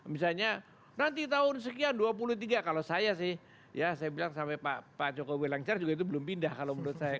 misalnya nanti tahun sekian dua puluh tiga kalau saya sih ya saya bilang sampai pak jokowi lancar juga itu belum pindah kalau menurut saya